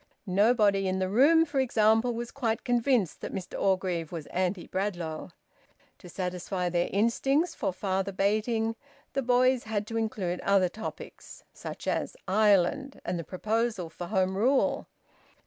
Nobody in the room, for example, was quite convinced that Mr Orgreave was anti Bradlaugh. To satisfy their instincts for father baiting, the boys had to include other topics, such as Ireland and the proposal for Home Rule.